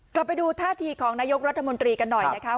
กลับไปดูท่าทีของนายกรัฐมนตรีกันหน่อยนะคะ